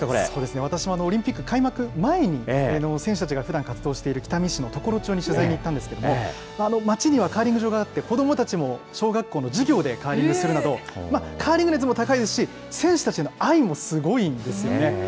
そうですね、私もオリンピック開幕前に、選手たちがふだん活動している北見市のところ町に取材に行ったんですけれども、町にはカーリング場があって、子どもたちも小学校の授業でカーリングするなど、カーリング熱も高いですし、選手たちへの愛もすごいんですよね。